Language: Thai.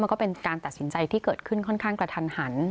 มันก็เป็นการตัดสินใจที่เกิดขึ้นค่อนข้างกระทันหัน